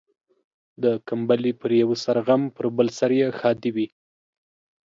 د کمبلي پر يوه سر غم ، پر بل سر يې ښادي وي.